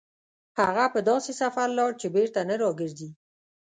هغه په داسې سفر لاړ چې بېرته نه راګرځي.